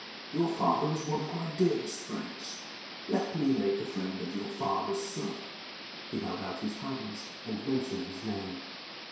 Your father was one of my dearest friends let me make a friend of your father's son." He held out his hands, and mentioned his name.